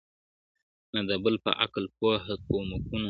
• نه د بل په عقل پوهه کومکونو -